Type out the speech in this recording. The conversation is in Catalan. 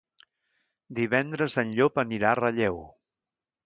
Divendres en Llop anirà a Relleu.